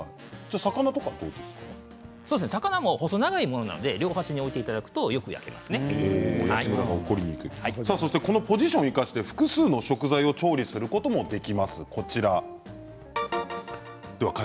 魚も細長いものなので両端に置いていただくとこのポジションを生かして複数の食材を調理することもできます。